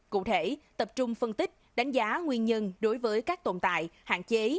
cụ thể tập trung phân tích đánh giá nguyên nhân đối với các tồn tại hạn chế